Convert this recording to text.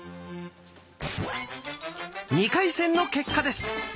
２回戦の結果です。